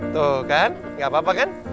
tuh kan gak apa apa kan